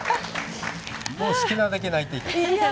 もう好きなだけ泣いていいから。